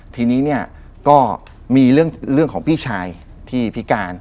ทีนี้เนี่ยก็มีเรื่องของพี่ชายที่พิการ